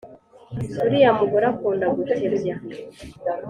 uriya mugore akunda gutebya